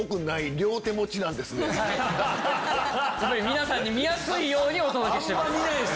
皆さんに見やすいようにお届けしてます。